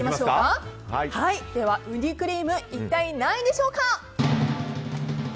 ウニクリーム一体何位でしょうか。